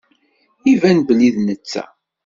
Iban belli d netta.